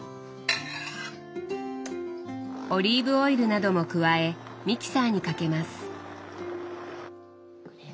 オリーブオイルなども加えミキサーにかけます。